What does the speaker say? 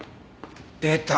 出た。